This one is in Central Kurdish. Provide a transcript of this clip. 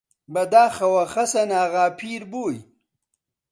بەداخەوە خەسەناغا پیر بووی!